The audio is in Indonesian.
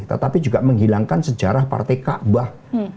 tetapi juga menghilangkan sejarah partai kaabah